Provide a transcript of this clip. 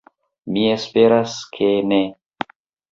Mi esperas, ke ne!